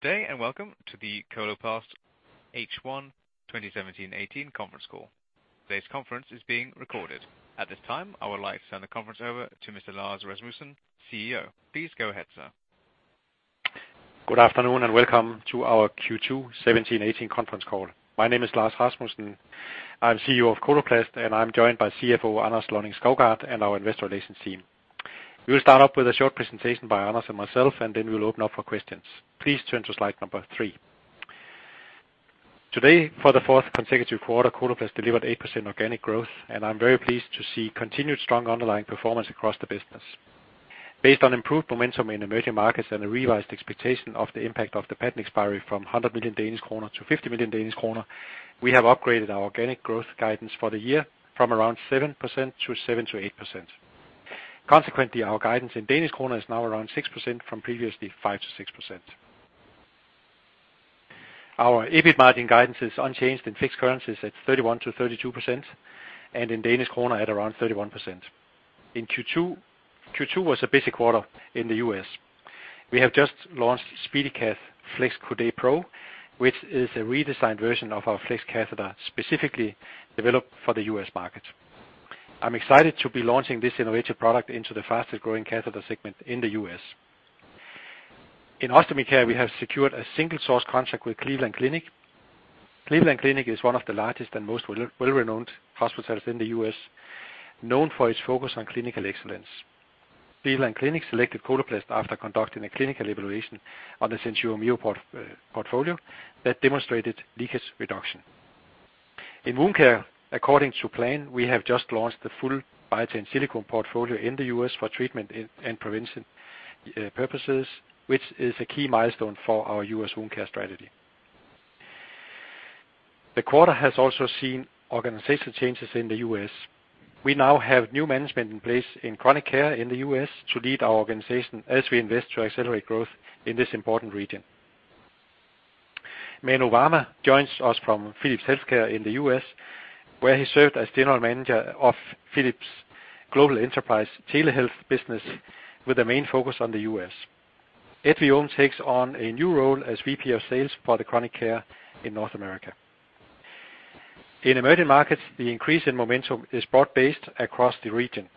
Good day. Welcome to the Coloplast H1 2017/18 conference call. Today's conference is being recorded. At this time, I would like to turn the conference over to Mr. Lars Rasmussen, CEO. Please go ahead, sir. Good afternoon, welcome to our Q2 2017-2018 conference call. My name is Lars Rasmussen. I'm CEO of Coloplast, and I'm joined by CFO Anders Lonning-Skovgaard, and our investor relations team. We will start off with a short presentation by Anders and myself, then we'll open up for questions. Please turn to slide number three. Today, for the fourth consecutive quarter, Coloplast delivered 8% organic growth, and I'm very pleased to see continued strong underlying performance across the business. Based on improved momentum in emerging markets and a revised expectation of the impact of the patent expiry from 100 million Danish kroner to 50 million Danish kroner, we have upgraded our organic growth guidance for the year from around 7% to 7%-8%. Consequently, our guidance in Danish kroner is now around 6% from previously 5%-6%. Our EBIT margin guidance is unchanged, fixed currency is at 31%-32%, and in DKK at around 31%. In Q2 was a busy quarter in the U.S.. We have just launched SpeediCath Flex Coudé Pro, which is a redesigned version of our flex catheter, specifically developed for the U.S. market. I'm excited to be launching this innovative product into the fastest growing catheter segment in the U.S.. In Ostomy Care, we have secured a sole source contract with Cleveland Clinic. Cleveland Clinic is one of the largest and most well-renowned hospitals in the U.S., known for its focus on clinical excellence. Cleveland Clinic selected Coloplast after conducting a clinical evaluation on the SenSura Mio portfolio that demonstrated leakage reduction. In Wound Care, according to plan, we have just launched the full Biatain Silicone portfolio in the U.S. for treatment and prevention purposes, which is a key milestone for our U.S. Wound Care strategy. The quarter has also seen organizational changes in the U.S.. We now have new management in place in Chronic Care in the U.S. to lead our organization as we invest to accelerate growth in this important region. Manu Varma joins us from Philips Healthcare in the U.S., where he served as General Manager of Philips' Global Enterprise Telehealth business, with a main focus on the U.S. Ed Veome takes on a new role as VP of Sales for the Chronic Care in North America. In emerging markets, the increase in momentum is broad-based across the region.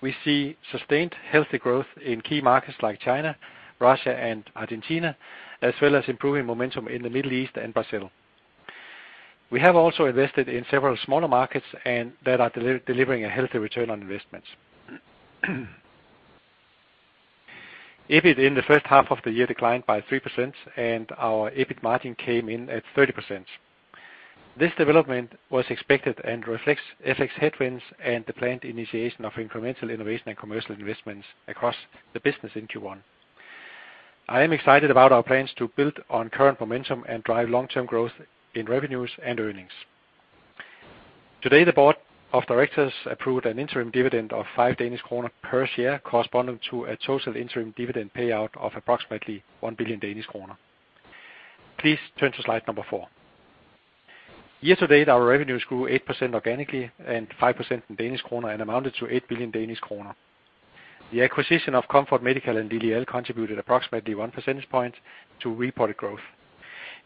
We see sustained healthy growth in key markets like China, Russia, and Argentina, as well as improving momentum in the Middle East and Brazil. We have also invested in several smaller markets and that are delivering a healthy return on investments. EBIT in the first half of the year declined by 3%, and our EBIT margin came in at 30%. This development was expected and reflects FX headwinds and the planned initiation of incremental innovation and commercial investments across the business in Q1. I am excited about our plans to build on current momentum and drive long-term growth in revenues and earnings. Today, the board of directors approved an interim dividend of 5 Danish kroner per share, corresponding to a total interim dividend payout of approximately 1 billion Danish kroner. Please turn to slide number four. Year to date, our revenues grew 8% organically and 5% in Danish kroner, and amounted to 8 billion Danish kroner. The acquisition of Comfort Medical and LL contributed approximately 1 percentage point to reported growth.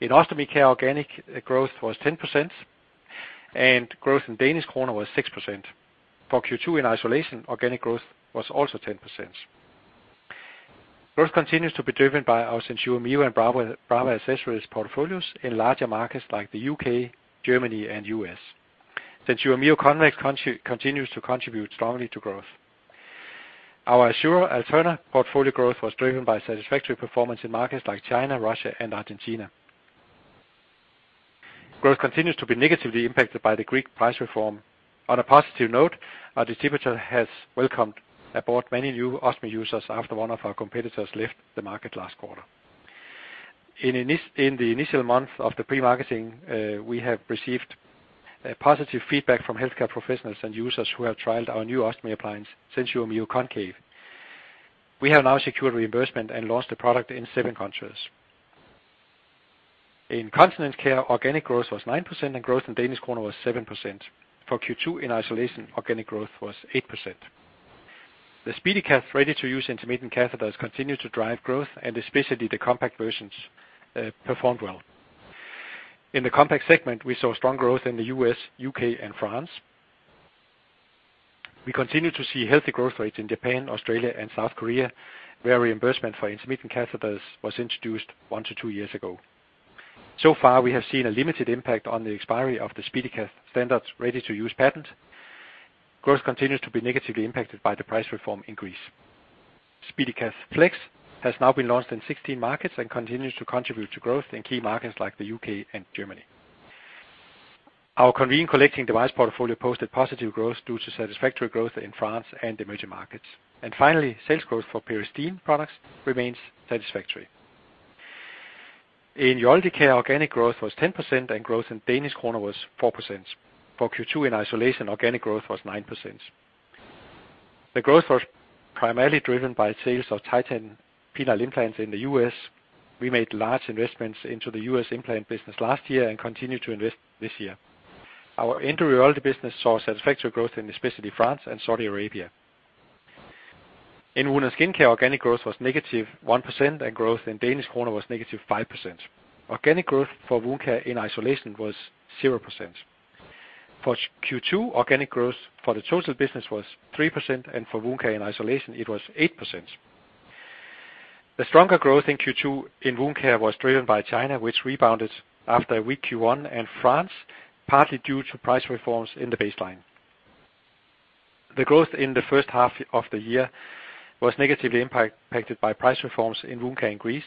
In Ostomy Care, organic growth was 10%, and growth in Danish kroner was 6%. For Q2, in isolation, organic growth was also 10%. Growth continues to be driven by our SenSura Mio and Brava accessories portfolios in larger markets like the U.K., Germany, and U.S. SenSura Mio Convex continues to contribute strongly to growth. Our Assura Alterna portfolio growth was driven by satisfactory performance in markets like China, Russia, and Argentina. Growth continues to be negatively impacted by the Greek price reform. On a positive note, our distributor has welcomed aboard many new ostomy users after one of our competitors left the market last quarter. In the initial months of the pre-marketing, we have received positive feedback from healthcare professionals and users who have trialed our new ostomy appliance, SenSura Mio Concave. We have now secured reimbursement and launched the product in seven countries. In Continence Care, organic growth was 9%, and growth in DKK was 7%. For Q2 in isolation, organic growth was 8%. The SpeediCath ready-to-use intermittent catheters continue to drive growth, and especially the compact versions performed well. In the compact segment, we saw strong growth in the U.S., U.K. and France. We continue to see healthy growth rates in Japan, Australia, and South Korea, where reimbursement for intermittent catheters was introduced one to two years ago. Far, we have seen a limited impact on the expiry of the SpeediCath standards ready-to-use patent. Growth continues to be negatively impacted by the price reform in Greece. SpeediCath Flex has now been launched in 16 markets and continues to contribute to growth in key markets like the U.K. and Germany. Our Conveen collecting device portfolio posted positive growth due to satisfactory growth in France and emerging markets. Finally, sales growth for Peristeen products remains satisfactory. In Urology Care, organic growth was 10%, and growth in DKK was 4%. For Q2 in isolation, organic growth was 9%. The growth was primarily driven by sales of Titan penile implants in the U.S. We made large investments into the U.S. implant business last year and continue to invest this year. Our Endourology business saw satisfactory growth in especially France and Saudi Arabia. In wound and skincare, organic growth was negative 1%, and growth in DKK was negative 5%. Organic growth for Wound Care in isolation was 0%. For Q2, organic growth for the total business was 3%, and for Wound Care in isolation, it was 8%. The stronger growth in Q2 in Wound Care was driven by China, which rebounded after a weak Q1, and France, partly due to price reforms in the baseline. The growth in the first half of the year was negatively impacted by price reforms in Wound Care in Greece.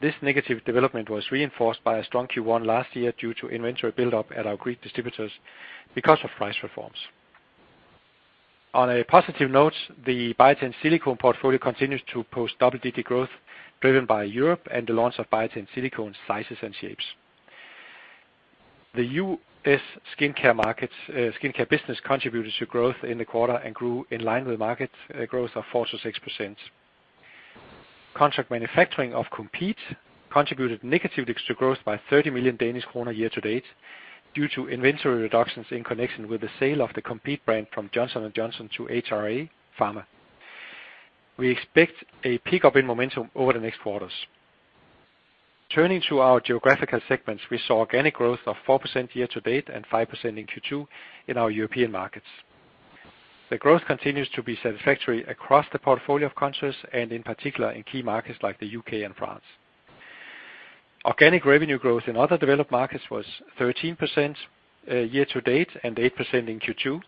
This negative development was reinforced by a strong Q1 last year due to inventory build-up at our Greek distributors because of price reforms. On a positive note, the Biatain Silicone portfolio continues to post double-digit growth, driven by Europe and the launch of Biatain Silicone sizes and shapes. The U.S. skincare markets, skincare business contributed to growth in the quarter and grew in line with market growth of 4%-6%. Contract manufacturing of Complete contributed negative extra growth by 30 million Danish kroner year-to-date, due to inventory reductions in connection with the sale of the Complete brand from Johnson & Johnson to HRA Pharma. We expect a pickup in momentum over the next quarters. Turning to our geographical segments, we saw organic growth of 4% year-to-date and 5% in Q2 in our European markets. The growth continues to be satisfactory across the portfolio of countries, and in particular, in key markets like the U.K. and France. Organic revenue growth in other developed markets was 13% year-to-date, and 8% in Q2.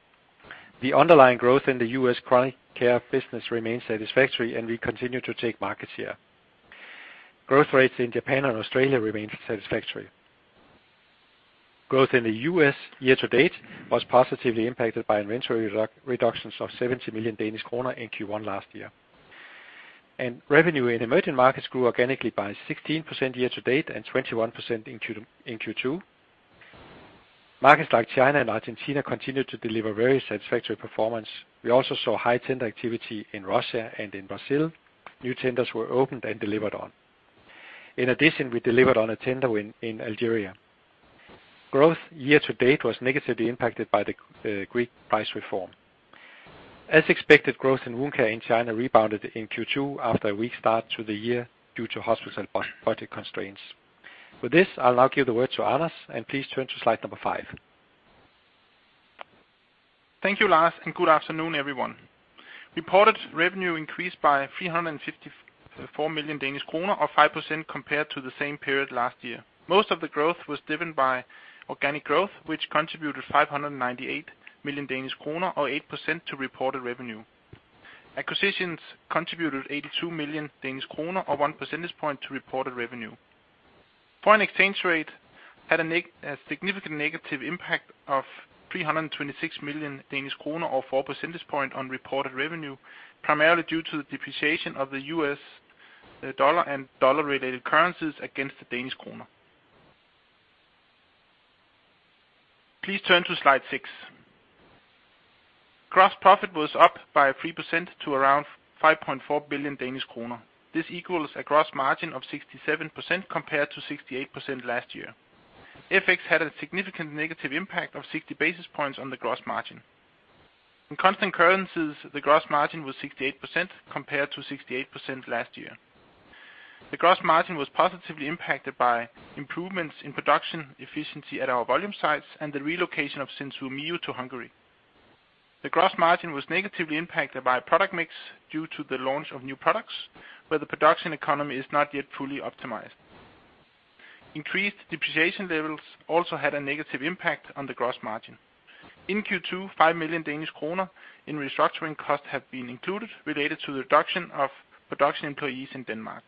The underlying growth in the U.S. Chronic Care business remains satisfactory, and we continue to take market share. Growth rates in Japan and Australia remain satisfactory. Growth in the U.S. year-to-date was positively impacted by inventory reductions of 70 million Danish kroner in Q1 last year. Revenue in emerging markets grew organically by 16% year-to-date and 21% in Q2. Markets like China and Argentina canontinued to deliver very satisfactory performance. We also saw high tender activity in Russia and in Brazil. New tenders were opened and delivered on. In addition, we delivered on a tender win in Algeria. Growth year-to-date was negatively impacted by the Greek price reform. As expected, growth in Wound Care in China rebounded in Q2 after a weak start to the year due to hospital budget constraints. With this, I'll now give the word to Anders, and please turn to slide five. Thank you, Lars, and good afternoon, everyone. Reported revenue increased by 354 million Danish kroner, or 5% compared to the same period last year. Most of the growth was driven by organic growth, which contributed 598 million Danish kroner, or 8% to reported revenue. Acquisitions contributed 82 million Danish kroner, or 1 percentage point, to reported revenue. Foreign exchange rate had a significant negative impact of 326 million Danish kroner, or 4 percentage point, on reported revenue, primarily due to the depreciation of the U.S. dollar and dollar-related currencies against the Danish kroner. Please turn to slide 6. Gross profit was up by 3% to around 5.4 billion Danish kroner. This equals a gross margin of 67%, compared to 68% last year. FX had a significant negative impact of 60 basis points on the gross margin. In constant currencies, the gross margin was 68%, compared to 68% last year. The gross margin was positively impacted by improvements in production efficiency at our volume sites and the relocation of SenSura Mio to Hungary. The gross margin was negatively impacted by product mix due to the launch of new products, where the production economy is not yet fully optimized. Increased depreciation levels also had a negative impact on the gross margin. In Q2, 5 million Danish kroner in restructuring costs have been included, related to the reduction of production employees in Denmark.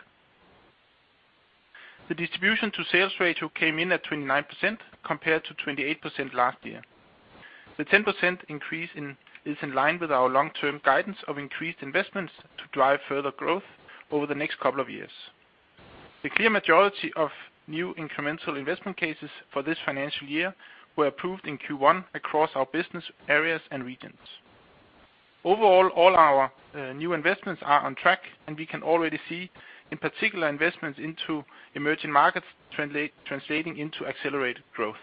The distribution to sales ratio came in at 29%, compared to 28% last year. The 10% increase is in line with our long-term guidance of increased investments to drive further growth over the next couple of years. The clear majority of new incremental investment cases for this financial year were approved in Q1 across our business areas and regions. Overall, all our new investments are on track, and we can already see, in particular, investments into emerging markets translating into accelerated growth.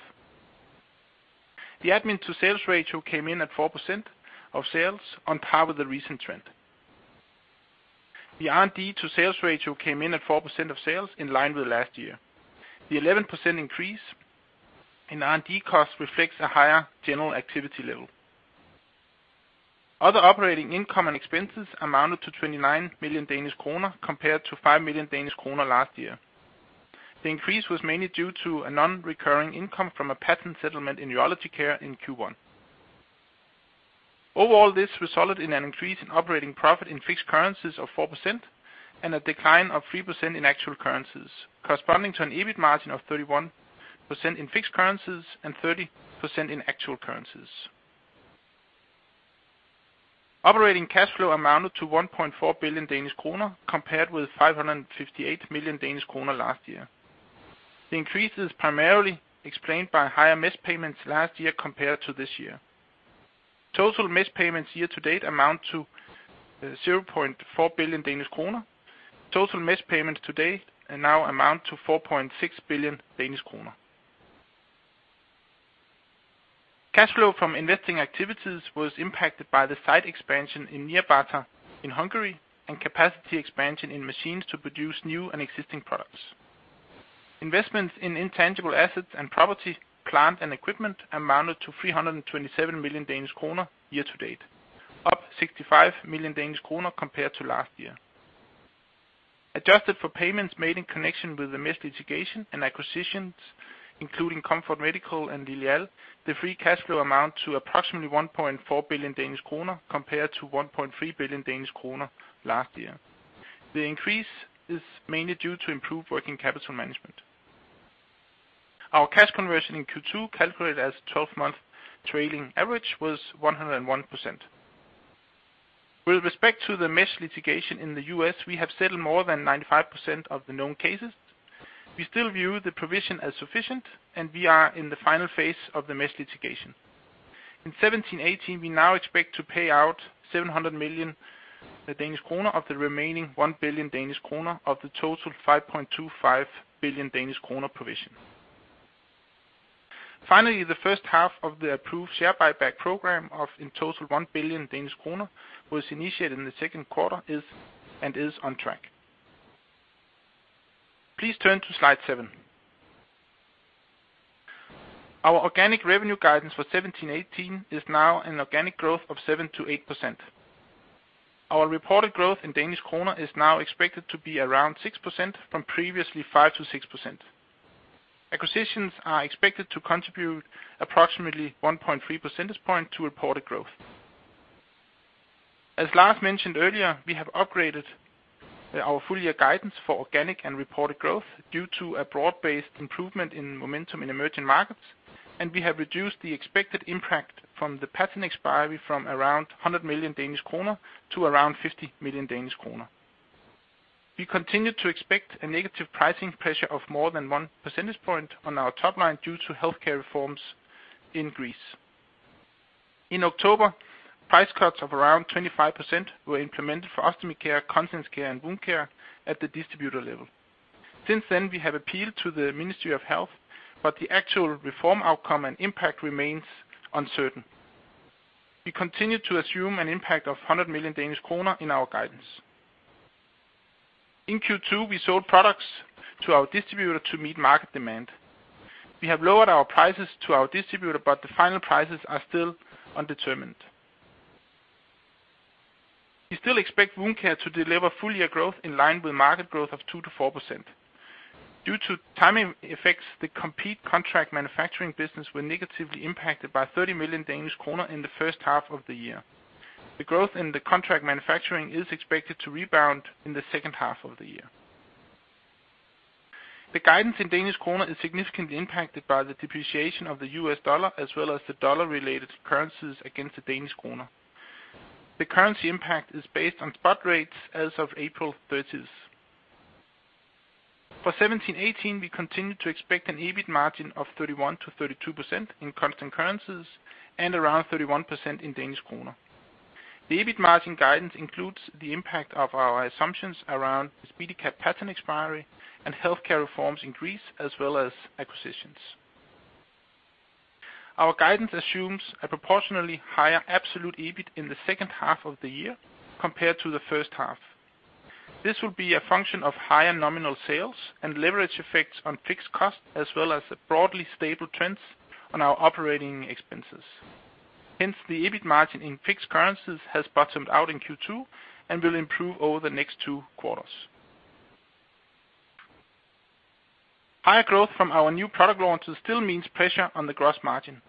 The admin to sales ratio came in at 4% of sales, on par with the recent trend. The R&D to sales ratio came in at 4% of sales, in line with last year. The 11% increase in R&D costs reflects a higher general activity level. Other operating income and expenses amounted to 29 million Danish kroner, compared to 5 million Danish kroner last year. The increase was mainly due to a non-recurring income from a patent settlement in Urology Care in Q1. Overall, this resulted in an increase in operating profit in fixed currencies of 4% and a decline of 3% in actual currencies, corresponding to an EBIT margin of 31% in fixed currencies and 30% in actual currencies. Operating cash flow amounted to 1.4 billion Danish kroner, compared with 558 million Danish kroner last year. The increase is primarily explained by higher MS payments last year compared to this year. Total MS payments year-to-date amount to 0.4 billion Danish kroner. Total MS payments today now amount to 4.6 billion Danish kroner. Cash flow from investing activities was impacted by the site expansion in Nyírbátor in Hungary and capacity expansion in machines to produce new and existing products. Investments in intangible assets and property, plant, and equipment amounted to 327 million Danish kroner year to date, up 65 million Danish kroner compared to last year. Adjusted for payments made in connection with the mesh litigation and acquisitions, including Comfort Medical and Lilial, the free cash flow amount to approximately 1.4 billion Danish kroner, compared to 1.3 billion Danish kroner last year. The increase is mainly due to improved working capital management. Our cash conversion in Q2, calculated as twelve-month trailing average, was 101%. With respect to the mesh litigation in the U.S., we have settled more than 95% of the known cases. We still view the provision as sufficient. We are in the final phase of the mesh litigation. In 2017/18, we now expect to pay out 700 million Danish kroner of the remaining 1 billion Danish kroner of the total 5.25 billion Danish kroner provision. Finally, the first half of the approved share buyback program of, in total, 1 billion Danish kroner was initiated in the second quarter and is on track. Please turn to slide 7. Our organic revenue guidance for 2017/18 is now an organic growth of 7%-8%. Our reported growth in Danish kroner is now expected to be around 6% from previously 5%-6%. Acquisitions are expected to contribute approximately 1.3 percentage point to reported growth. As Lars mentioned earlier, we have upgraded our full year guidance for organic and reported growth due to a broad-based improvement in momentum in emerging markets. We have reduced the expected impact from the patent expiry from around 100 million Danish kroner to around 50 million Danish kroner. We continue to expect a negative pricing pressure of more than 1 percentage point on our top line due to healthcare reforms in Greece. In October, price cuts of around 25% were implemented for Ostomy Care, Continence Care, and Wound Care at the distributor level. Since then, we have appealed to the Ministry of Health, but the actual reform outcome and impact remains uncertain. We continue to assume an impact of 100 million Danish kroner in our guidance. In Q2, we sold products to our distributor to meet market demand. We have lowered our prices to our distributor, the final prices are still undetermined. We still expect Wound Care to deliver full year growth in line with market growth of 2%-4%. Due to timing effects, the complete contract manufacturing business were negatively impacted by 30 million Danish kroner in the first half of the year. The growth in the contract manufacturing is expected to rebound in the second half of the year. The guidance in Danish kroner is significantly impacted by the depreciation of the U.S. dollar, as well as the dollar-related currencies against the Danish kroner. The currency impact is based on spot rates as of April 30th. For 2017-2018, we continue to expect an EBIT margin of 31%-32% in constant currencies and around 31% in Danish kroner. The EBIT margin guidance includes the impact of our assumptions around the SpeediCath patent expiry and healthcare reforms in Greece, as well as acquisitions. Our guidance assumes a proportionally higher absolute EBIT in the second half of the year compared to the first half. This will be a function of higher nominal sales and leverage effects on fixed costs, as well as broadly stable trends on our operating expenses. Hence, the EBIT margin in fixed currencies has bottomed out in Q2 and will improve over the next two quarters. Higher growth from our new product launches still means pressure on the gross margin,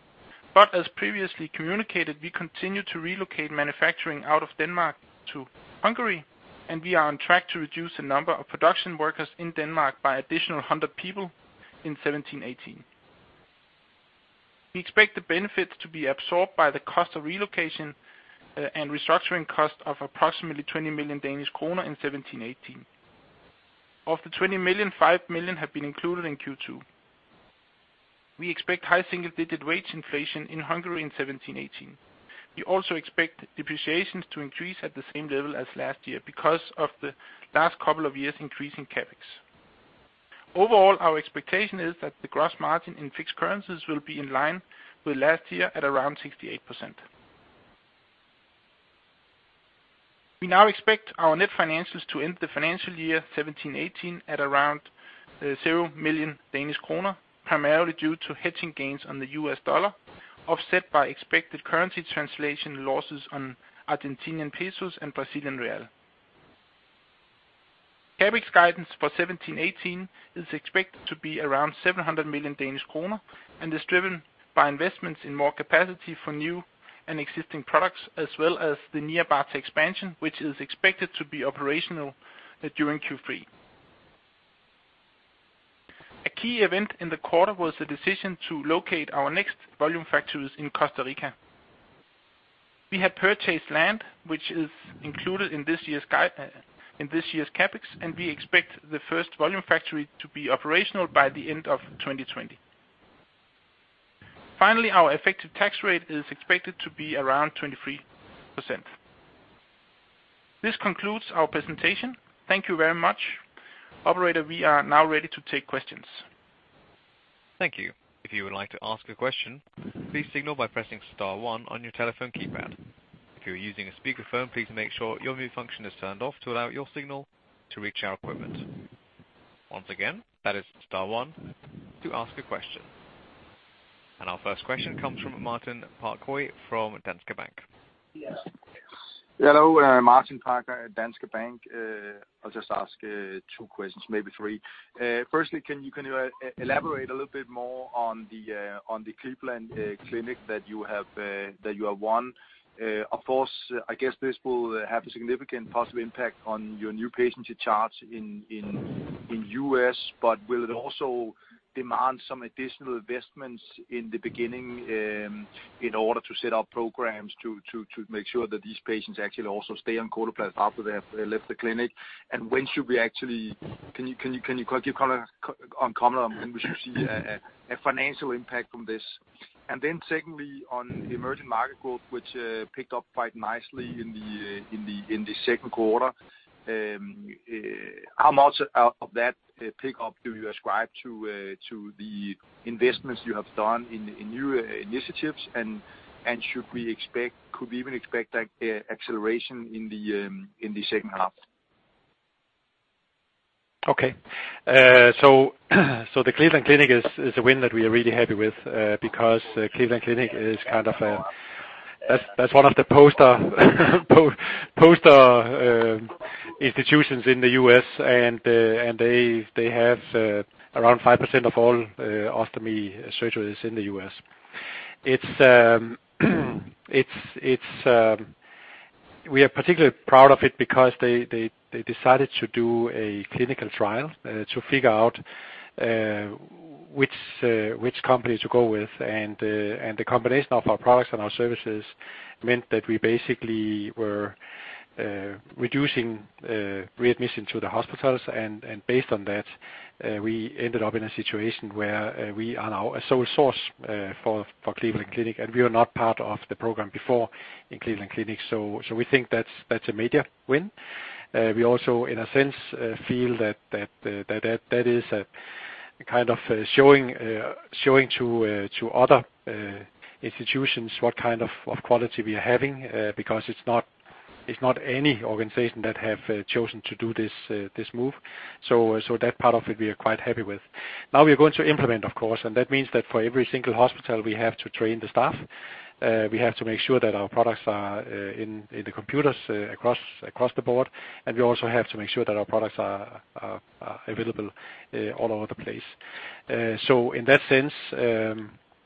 but as previously communicated, we continue to relocate manufacturing out of Denmark to Hungary, and we are on track to reduce the number of production workers in Denmark by additional 100 people in 2017-2018. We expect the benefits to be absorbed by the cost of relocation and restructuring cost of approximately 20 million Danish kroner in 2017-2018. Of the 20 million, 5 million have been included in Q2. We expect high single-digit wage inflation in Hungary in 2017-2018. We also expect depreciations to increase at the same level as last year because of the last couple of years' increase in CapEx. Overall, our expectation is that the gross margin in fixed currencies will be in line with last year at around 68%. We now expect our net financials to end the financial year 2017-2018 at around 0 million Danish kroner, primarily due to hedging gains on the U.S. dollar, offset by expected currency translation losses on Argentinian pesos and Brazilian real. CapEx guidance for 2017-2018 is expected to be around 700 million Danish kroner and is driven by investments in more capacity for new and existing products, as well as the Nyírbátor expansion, which is expected to be operational during Q3. A key event in the quarter was the decision to locate our next volume factories in Costa Rica. We have purchased land, which is included in this year's CapEx, and we expect the first volume factory to be operational by the end of 2020. Finally, our effective tax rate is expected to be around 23%. This concludes our presentation. Thank you very much. Operator, we are now ready to take questions. Thank you. If you would like to ask a question, please signal by pressing star one on your telephone keypad. If you are using a speakerphone, please make sure your mute function is turned off to allow your signal to reach our equipment. Once again, that is star one to ask a question. Our first question comes from Martin Parkhøi from Danske Bank. Hello, Martin Parkhøi at Danske Bank. I'll just ask two questions, maybe three. Firstly, can you elaborate a little bit more on the Cleveland Clinic that you have won? Of course, I guess this will have. .significant positive impact on your new patient charge in U.S., but will it also demand some additional investments in the beginning in order to set up programs to make sure that these patients actually also stay on Coloplast after they have left the clinic? When can you give comment on when we should see a financial impact from this? Secondly, on the emerging market growth, which picked up quite nicely in the second quarter. How much of that pick up do you ascribe to the investments you have done in new initiatives? Could we even expect, like, acceleration in the second half? The Cleveland Clinic is a win that we are really happy with, because Cleveland Clinic is kind of that's one of the poster, institutions in the US, and they have, around 5% of all ostomy surgeries in the U.S.. It's. We are particularly proud of it because they decided to do a clinical trial to figure out which company to go with. The combination of our products and our services meant that we basically were reducing readmission to the hospitals. Based on that, we ended up in a situation where we are now a sole source for Cleveland Clinic, and we are not part of the program before in Cleveland Clinic. We think that's a major win. We also, in a sense, feel that that is a kind of showing showing to other institutions, what kind of quality we are having, because it's not any organization that have chosen to do this move. That part of it, we are quite happy with. Now, we are going to implement, of course, and that means that for every single hospital, we have to train the staff. We have to make sure that our products are in the computers across the board. We also have to make sure that our products are available all over the place. In that sense,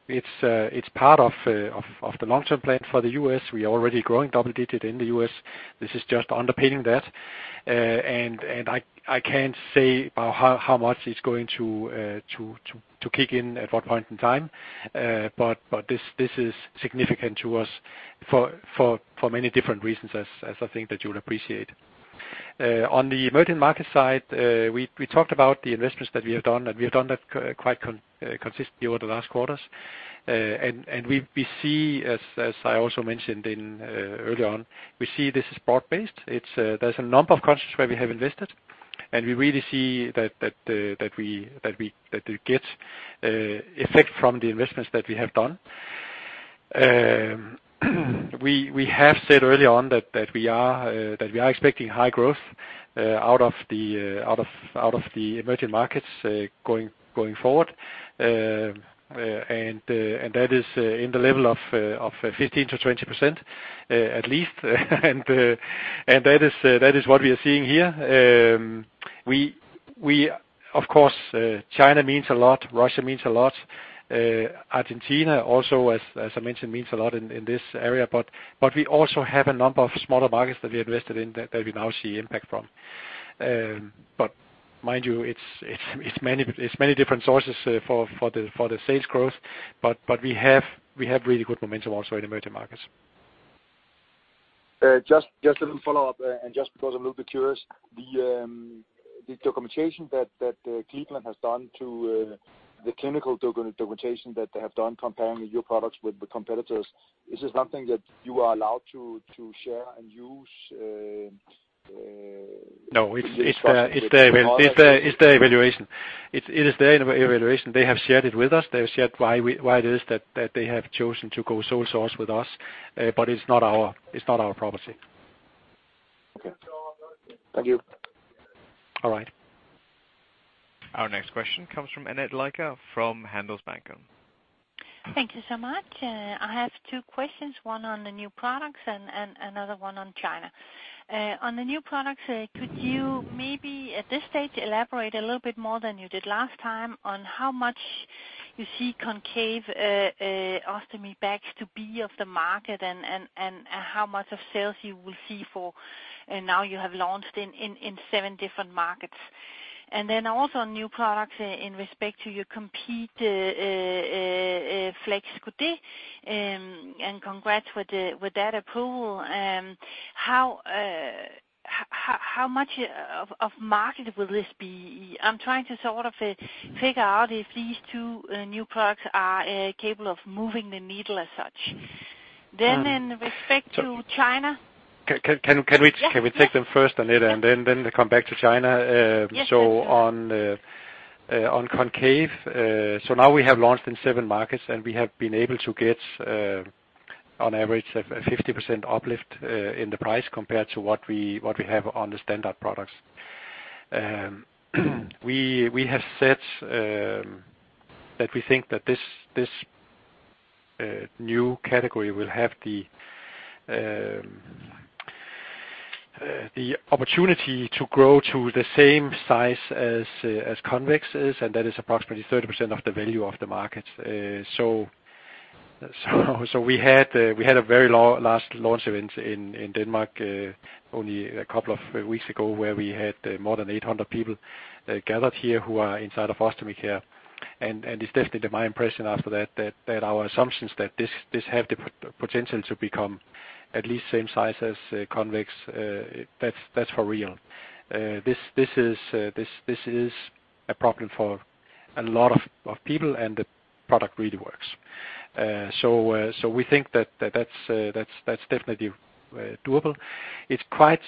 it's part of the long-term plan for the U.S.. We are already growing double digits in the U.S.. This is just underpinning that. I can't say how much it's going to kick in at what point in time. This is significant to us for many different reasons, as I think that you'll appreciate. On the emerging market side, we talked about the investments that we have done, and we have done that quite consistently over the last quarters. We see, as I also mentioned earlier on, we see this is broad-based. It's, there's a number of countries where we have invested, and we really see that we get effect from the investments that we have done. We have said early on that we are expecting high growth out of the emerging markets going forward. That is in the level of of 15%-20% at least. That is what we are seeing here. We, of course, China means a lot, Russia means a lot, Argentina also, as I mentioned, means a lot in this area. We also have a number of smaller markets that we invested in that we now see impact from. Mind you, it's many different sources for the sales growth, but we have really good momentum also in emerging markets. Just a little follow-up, and just because I'm a little bit curious. The clinical documentation that Cleveland has done comparing your products with the competitors, is this something that you are allowed to share and use? No, it's the evaluation. It is their evaluation. They have shared it with us. They have shared why it is that they have chosen to go sole source with us, but it's not our property. Okay. Thank you. All right. Our next question comes from Annette Lykke, from Handelsbanken. Thank you so much. I have two questions, one on the new products and another one on China. On the new products, could you maybe, at this stage, elaborate a little bit more than you did last time on how much you see Concave ostomy bags to be of the market and how much of sales you will see for, and now you have launched in seven different markets? Then also on new products in respect to your Compeed Flex Coudé, and congrats with the, with that approval. How much of market will this be? I'm trying to sort of figure out if these two new products are capable of moving the needle as such. In respect to China. Can we take them first, Annette, and then come back to China? Yes. On Concave, now we have launched in seven markets, and we have been able to get on average, a 50% uplift in the price compared to what we have on the standard products. We have said that we think that this new category will have the opportunity to grow to the same size as Convex is, and that is approximately 30% of the value of the market. We had a very large launch event in Denmark only a couple of weeks ago, where we had more than 800 people gathered here who are inside of Ostomy Care. It's definitely my impression after that our assumptions that this have the potential to become at least same size as Convex, that's for real. This is a problem for a lot of people, and the product really works. We think that that's definitely doable. It's quite.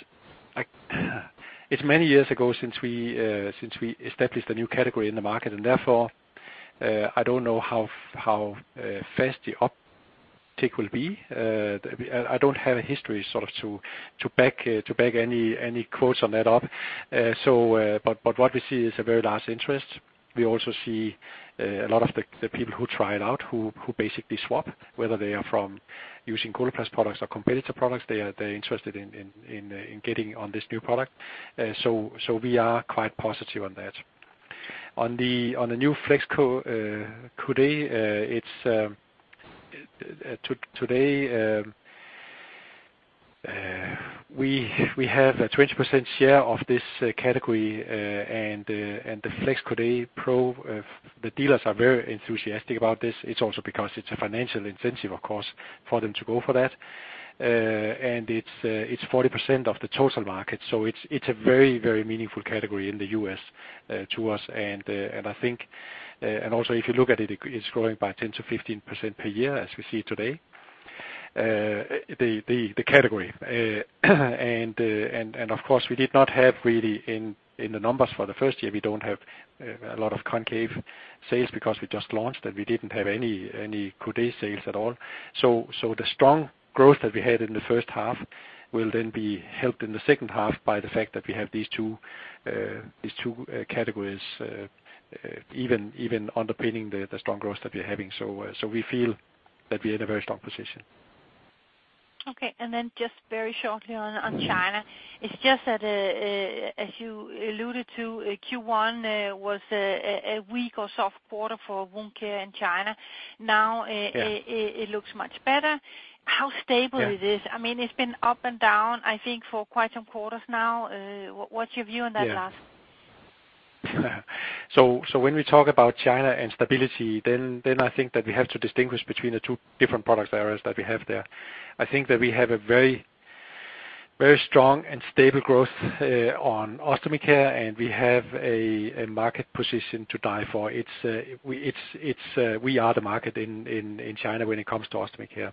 It's many years ago since we established a new category in the market, and therefore, I don't know how fast the uptick will be. I don't have a history sort of to back any quotes on that up. But what we see is a very large interest. We also see a lot of the people who try it out, who basically swap, whether they are from using Coloplast products or competitor products, they're interested in getting on this new product. We are quite positive on that. On the new Flex Coude, it's today, we have a 20% share of this category, and the Flex Coude Pro, the dealers are very enthusiastic about this. It's also because it's a financial incentive, of course, for them to go for that. It's 40% of the total market, so it's a very meaningful category in the U.S. to us. I think, and also, if you look at it's growing by 10%-15% per year, as we see today. The category. Of course, we did not have really in the numbers for the first year, we don't have a lot of Concave sales because we just launched, and we didn't have any Coudé sales at all. The strong growth that we had in the 1st half will then be helped in the 2nd half by the fact that we have these two categories, even underpinning the strong growth that we're having. We feel that we're in a very strong position. Okay. Just very shortly on China. Mm-hmm. It's just that, as you alluded to, Q1 was a weak or soft quarter for Wound Care in China. Yeah. Now, it looks much better. Yeah. How stable is this? I mean, it's been up and down, I think, for quite some quarters now. What's your view on that Lars? When we talk about China and stability, I think that we have to distinguish between the two different product areas that we have there. I think that we have a very, very strong and stable growth on Ostomy Care, and we have a market position to die for. It's we are the market in China when it comes to Ostomy Care.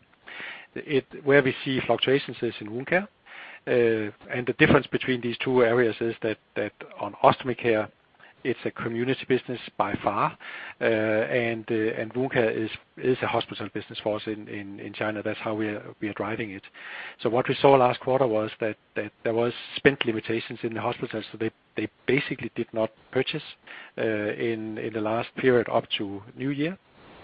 Where we see fluctuations is in Wound Care. The difference between these two areas is that on Ostomy Care, it's a community business by far, and Wound Care is a hospital business for us in China. That's how we are driving it. What we saw last quarter was that there was spend limitations in the hospitals, so they basically did not purchase in the last period up to New Year.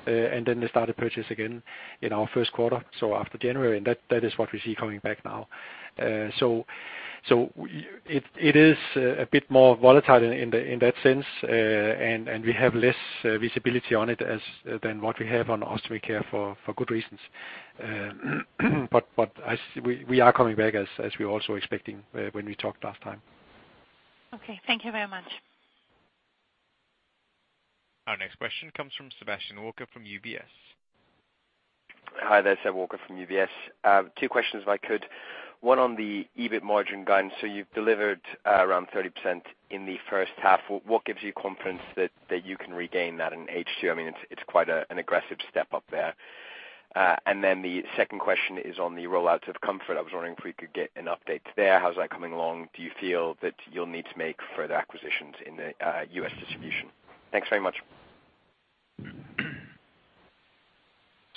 They started purchase again in our first quarter, so after January, and that is what we see coming back now. It is a bit more volatile in that sense, and we have less visibility on it than what we have on Ostomy Care for good reasons. As we are coming back as we're also expecting when we talked last time. Okay. Thank you very much. Our next question comes from Sebastian Walker, from UBS. Hi there, Sebastian Walker from UBS. Two questions, if I could. One on the EBIT margin guidance. You've delivered around 30% in the first half. What gives you confidence that you can regain that in H2? I mean, it's quite an aggressive step up there. Then the second question is on the rollouts of Comfort. I was wondering if we could get an update there. How's that coming along? Do you feel that you'll need to make further acquisitions in the U.S. distribution? Thanks very much.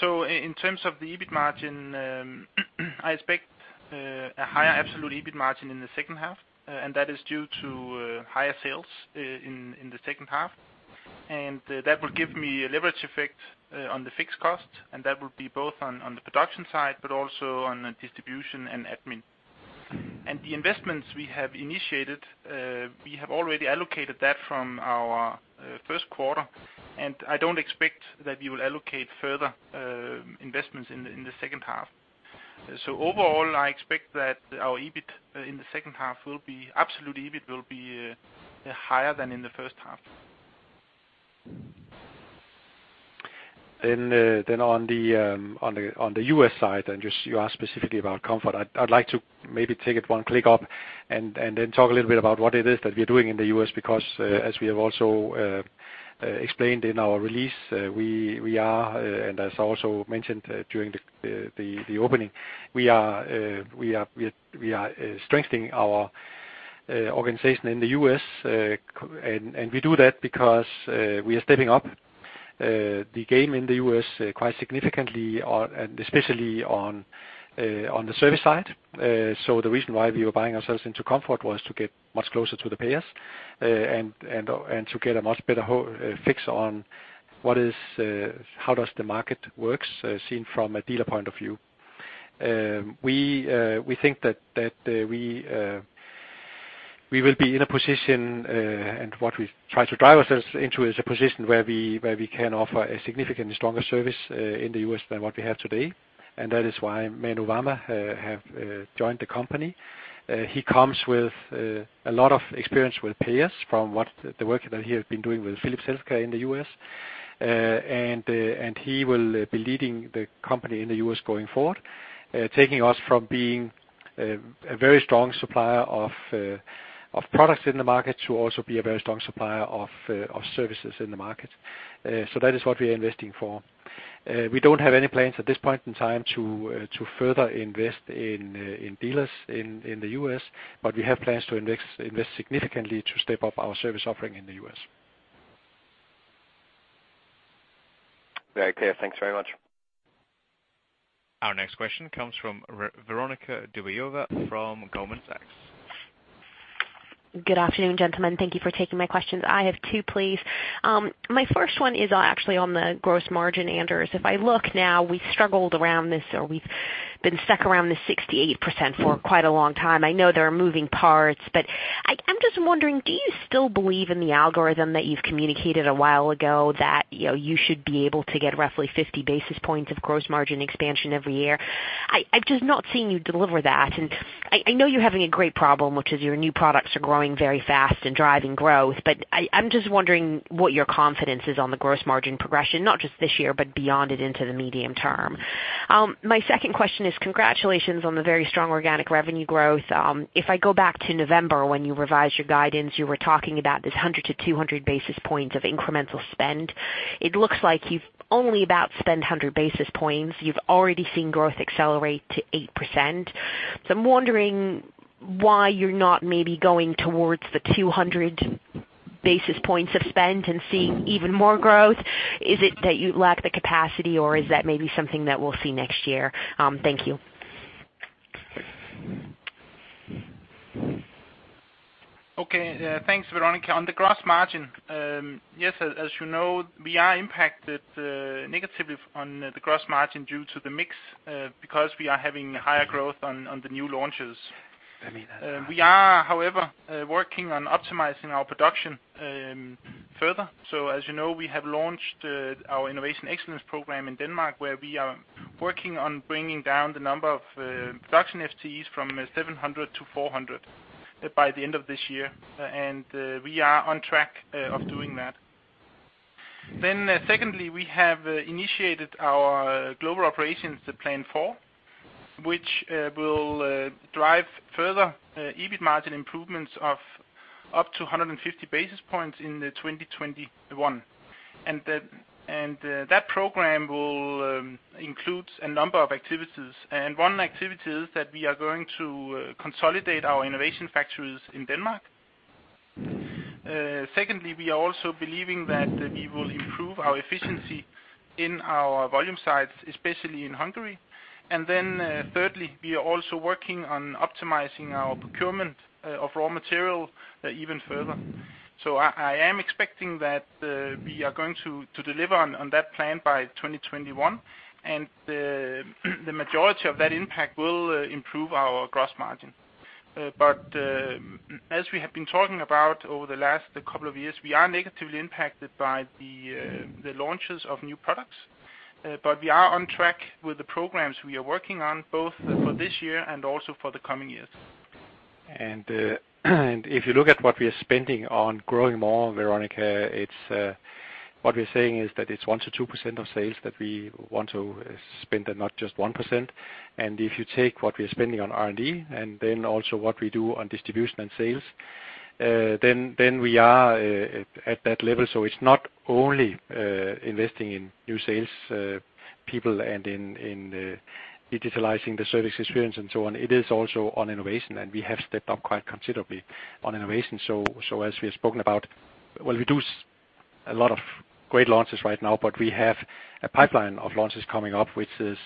In terms of the EBIT margin, I expect a higher absolute EBIT margin in the second half, and that is due to higher sales in the second half. That will give me a leverage effect on the fixed cost, and that will be both on the production side, but also on the distribution and admin. The investments we have initiated, we have already allocated that from our first quarter, and I don't expect that we will allocate further investments in the second half. Overall, I expect that our EBIT in the second half will be, absolute EBIT will be, higher than in the first half. On the U.S. side, you asked specifically about Comfort, I'd like to maybe take it one click up and then talk a little bit about what it is that we are doing in the U.S. because, as we have also explained in our release, and .as I also mentioned during the opening, we are strengthening our organization in the U.S.. We do that because we are stepping up the game in the U.S. quite significantly and especially on the service side. The reason why we were buying ourselves into Comfort was to get much closer to the payers and to get a much better fix on what is how does the market works seen from a dealer point of view. We think that we will be in a position and what we try to drive ourselves into is a position where we can offer a significantly stronger service in the U.S. than what we have today. That is why Manu Varma have joined the company. He comes with a lot of experience with payers from what the work that he has been doing with Philips Healthcare in the U.S.. He will be leading the company in the U.S. going forward, taking us from being a very strong supplier of products in the market to also be a very strong supplier of services in the market. That is what we are investing for. We don't have any plans at this point in time to further invest in dealers in the U.S., but we have plans to invest significantly to step up our service offering in the U.S.. Very clear. Thanks very much. Our next question comes from Veronika Dubajova from Goldman Sachs. Good afternoon, gentlemen. Thank you for taking my questions. I have two, please. my first one is actually on the gross margin, Anders. If I look now, we struggled around this, or we've been stuck around the 68% for quite a long time. I know there are moving parts, but I'm just wondering, do you still believe in the algorithm that you've communicated a while ago that, you know, you should be able to get roughly 50 basis points of gross margin expansion every year? I've just not seen you deliver that. I know you're having a great problem, which is your new products are growing very fast and driving growth, but I'm just wondering what your confidence is on the gross margin progression, not just this year, but beyond it into the medium term. My second question is congratulations on the very strong organic revenue growth. If I go back to November, when you revised your guidance, you were talking about this 100 to 200 basis points of incremental spend. It looks like you've only about spent 100 basis points. You've already seen growth accelerate to 8%. I'm wondering why you're not maybe going towards the 200 basis points of spend and seeing even more growth. Is it that you lack the capacity, or is that maybe something that we'll see next year? Thank you. Okay. Thanks, Veronika. On the gross margin, yes, as you know, we are impacted negatively on the gross margin due to the mix because we are having higher growth on the new launches. We are, however, working on optimizing our production further. As you know, we have launched our innovation excellence program in Denmark, where we are working on bringing down the number of production FTEs from 700 to 400 by the end of this year, and we are on track of doing that. Secondly, we have initiated our Global Operations, the Plan 4, which will drive further EBIT margin improvements of up to 150 basis points in 2021. That program will includes a number of activities, and one activity is that we are going to consolidate our innovation factories in Denmark. Secondly, we are also believing that we will improve our efficiency in our volume sites, especially in Hungary. Thirdly, we are also working on optimizing our procurement of raw material even further. I am expecting that we are going to deliver on that plan by 2021, and the majority of that impact will improve our gross margin. As we have been talking about over the last couple of years, we are negatively impacted by the launches of new products. We are on track with the programs we are working on, both for this year and also for the coming years. If you look at what we are spending on growing more, Veronika, it's what we're saying is that it's 1%-2% of sales that we want to spend, and not just 1%. If you take what we are spending on R&D, and then also what we do on distribution and sales, then we are at that level. It's not only investing in new sales people and in digitalizing the service experience and so on, it is also on innovation, we have stepped up quite considerably on innovation. As we have spoken about, well, we do a lot of great launches right now, but we have a pipeline of launches coming up, which is,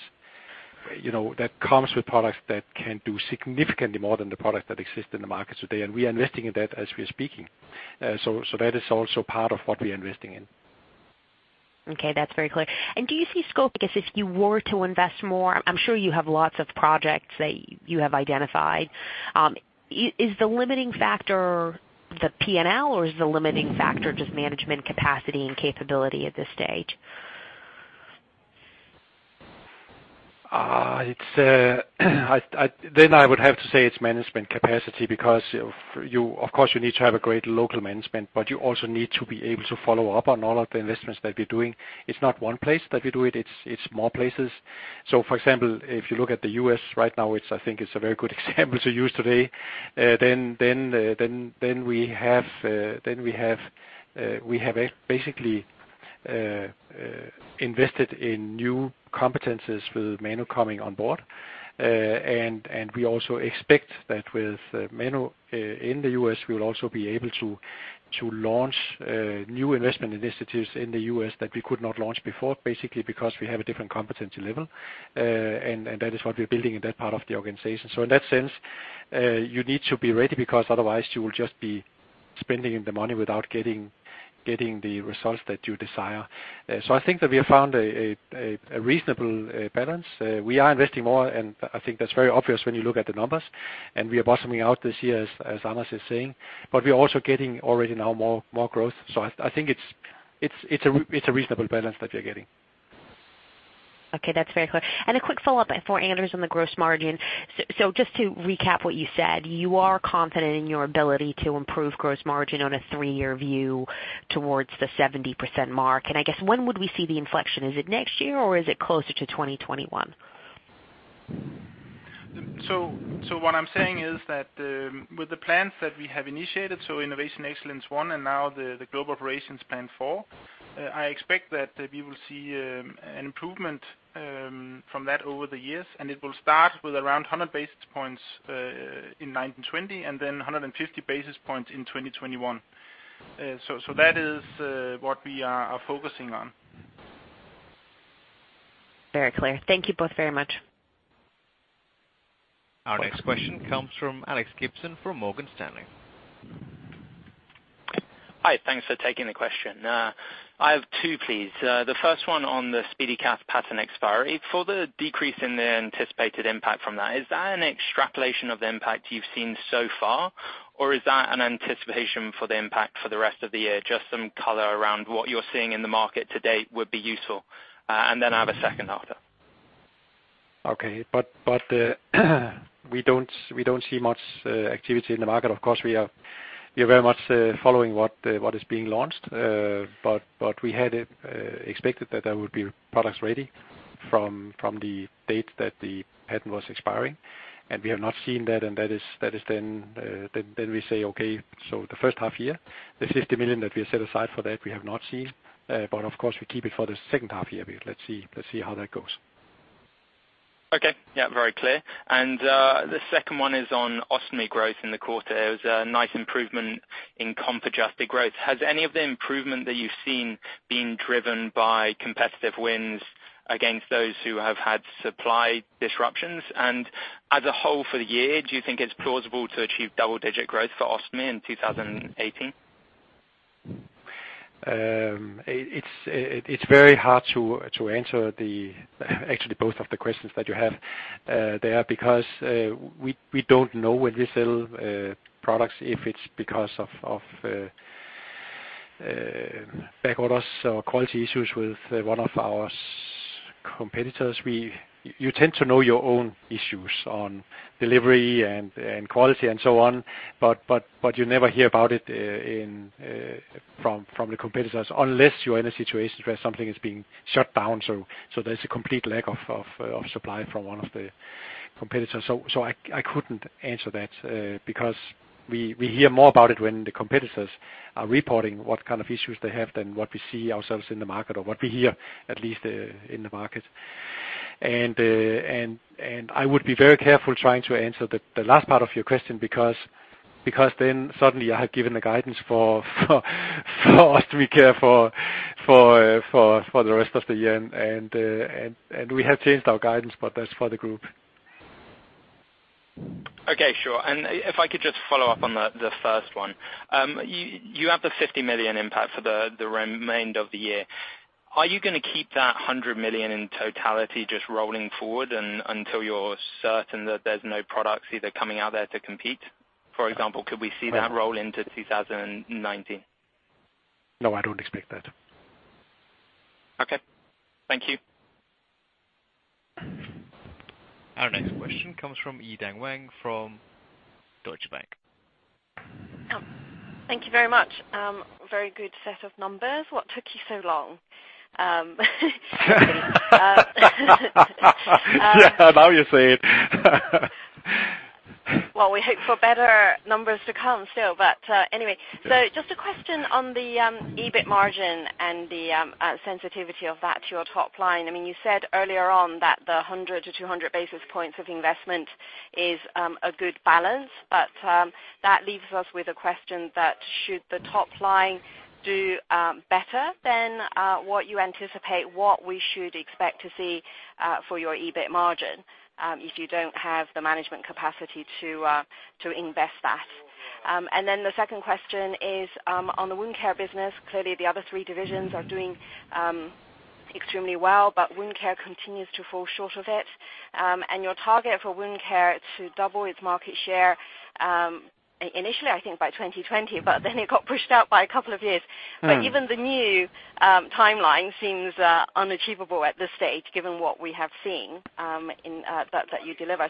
you know, that comes with products that can do significantly more than the products that exist in the market today, and we are investing in that as we are speaking. That is also part of what we are investing in. Okay, that's very clear. Do you see scope, because if you were to invest more, I'm sure you have lots of projects that you have identified. Is the limiting factor, the PNL, or is the limiting factor just management capacity and capability at this stage? it's, I, then I would have to say it's management capacity because of course, you need to have a great local management, but you also need to be able to follow up on all of the investments that we're doing. It's not one place that we do it's more places. For example, if you look at the U.S. right now, it's, I think, it's a very good example to use today. then we have basically invested in new competencies with Manu coming on board. And we also expect that with Manu in the U.S., we will also be able to launch new investment initiatives in the U.S. that we could not launch before, basically, because we have a different competency level, and that is what we're building in that part of the organization. In that sense, you need to be ready because otherwise you will just be spending the money without getting the results that you desire. I think that we have found a reasonable balance. We are investing more, and I think that's very obvious when you look at the numbers, and we are bottoming out this year, as Anders is saying. We're also getting already now more growth. I think it's a reasonable balance that we are getting. Okay, that's very clear. A quick follow-up for Anders on the gross margin. Just to recap what you said, you are confident in your ability to improve gross margin on a 3-year view towards the 70% mark? I guess, when would we see the inflection? Is it next year, or is it closer to 2021? What I'm saying is that, with the plans that we have initiated, Innovation Excellence One, and now the Global Operations Plan 4, I expect that we will see an improvement from that over the years, and it will start with around 100 basis points in 1920, and then 150 basis points in 2021. That is what we are focusing on. Very clear. Thank you both very much. Our next question comes from Alex Gibson, from Morgan Stanley. Hi, thanks for taking the question. I have two, please. The first one on the SpeediCath patent expiry. For the decrease in the anticipated impact from that, is that an extrapolation of the impact you've seen so far, or is that an anticipation for the impact for the rest of the year? Just some color around what you're seeing in the market to date would be useful. I have a second after. Okay. we don't see much activity in the market. Of course, we are very much following what what is being launched. we had expected that there would be products ready from the date that the patent was expiring, and we have not seen that, and that is then we say, okay, the first half year, the 50 million that we have set aside for that, we have not seen. Of course, we keep it for the second half year. Let's see how that goes. Okay. Yeah, very clear. The second one is on Ostomy growth in the quarter. It was a nice improvement in comp adjusted growth. Has any of the improvement that you've seen been driven by competitive wins against those who have had supply disruptions? As a whole, for the year, do you think it's plausible to achieve double-digit growth for Ostomy in 2018? It's very hard to answer actually both of the questions that you have there, because we don't know when we sell products, if it's because of back orders or quality issues with one of our competitors. You tend to know your own issues on delivery and quality, and so on, but you never hear about it from the competitors, unless you are in a situation where something is being shut down. There's a complete lack of supply from one of the competitors. I couldn't answer that because we hear more about it when the competitors are reporting what kind of issues they have than what we see ourselves in the market or what we hear, at least, in the market. I would be very careful trying to answer the last part of your question because then suddenly I have given a guidance for Ostomy Care for the rest of the year. We have changed our guidance, but that's for the group. Okay, sure. If I could just follow up on the first one. You have the 50 million impact for the remainder of the year. Are you gonna keep that 100 million in totality just rolling forward, until you're certain that there's no products either coming out there to Compeed? For example, could we see that roll into 2019? No, I don't expect that. Okay. Thank you. Our next question comes from Yi-Dan Wang, from Deutsche Bank. Oh, thank you very much. very good set of numbers. What took you so long? Yeah, now you say it. We hope for better numbers to come still, anyway. Just a question on the EBIT margin and the sensitivity of that to your top line. I mean, you said earlier on that the 100 to 200 basis points of investment is a good balance, but that leaves us with a question that should the top line do better than what you anticipate, what we should expect to see for your EBIT margin, if you don't have the management capacity to invest that? The second question is on the Wound Care business. Clearly, the other three divisions are doing extremely well, but Wound Care continues to fall short of it. Your target for Wound Care to double its market share, initially, I think by 2020, but then it got pushed out by a couple of years. Mm-hmm. Even the new timeline seems unachievable at this stage, given what we have seen in that you deliver.